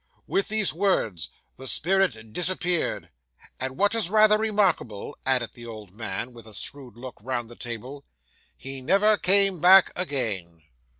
With these words, the spirit disappeared; and what is rather remarkable,' added the old man, with a shrewd look round the table, 'he never came back again.